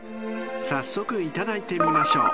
［早速いただいてみましょう］